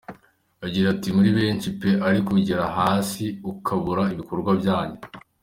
Agira ati “Muri benshi pe ariko ugera hasi ukabura ibikorwa byanyu.